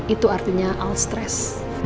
itu artinya al stress